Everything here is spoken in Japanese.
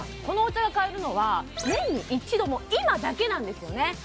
このお茶が買えるのは年に一度の今だけなんですよね